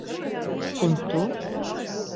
Un tu?